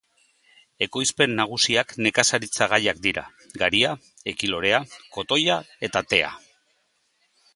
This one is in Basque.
Ekoizpen nagusiak nekazaritza gaiak dira: garia, ekilorea, kotoia eta tea.